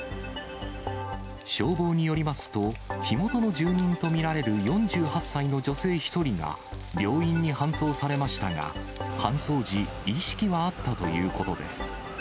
消防によりますと、火元の住民と見られる４８歳の女性１人が病院に搬送されましたが、搬送時、意識はあったということです。